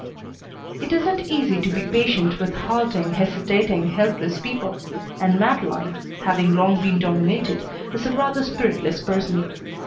It isn't easy to be patient with halting, hesitating, helpless people, and Madeleine, having long been dominated, is a rather spiritless person.